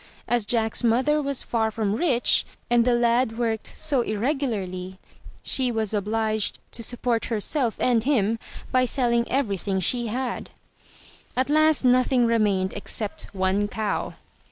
As Jack's mother was far from rich, and the lad worked so irregularly, she was obliged to support herself and him by selling every thing she had. At last nothing remained except one cow.